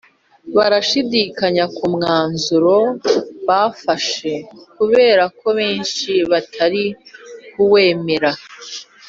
barashidikanya kumwanzuro bafashe kubera ko abenshi batari kuwemera